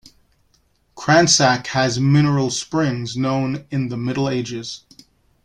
Cransac has mineral springs, known in the middle ages.